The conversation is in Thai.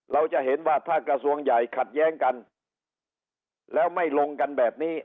เราจะเห็นว่าถ้ากระทรวงใหญ่ขัดแย้งกันแล้วไม่ลงกันแบบนี้